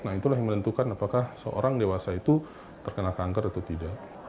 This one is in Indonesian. nah itulah yang menentukan apakah seorang dewasa itu terkena kanker atau tidak